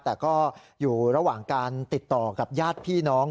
แต่ก็อยู่ระหว่างการติดต่อกับญาติพี่น้อง